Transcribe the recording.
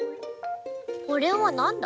これはなんだ？